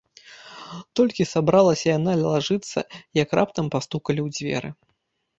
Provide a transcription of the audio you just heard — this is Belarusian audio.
Толькі сабралася яна лажыцца, як раптам пастукалі ў дзверы.